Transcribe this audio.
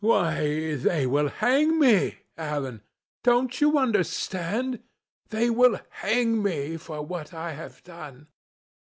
Why, they will hang me, Alan! Don't you understand? They will hang me for what I have done."